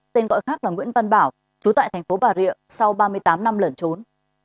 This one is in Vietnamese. tên gọi khác là nguyễn văn bảo chú tại thành phố bà rịa sau ba mươi tám năm lẩn trốn